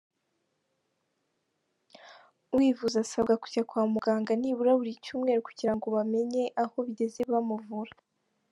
Uyivuza asabwa kujya kwa muganga nibura buri cyumweru kugira ngo bamenye aho bigeze bamuvura.